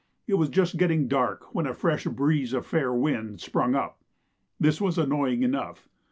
It was just getting dark when a fresh breeze of fair wind sprung up. This was annoying enough.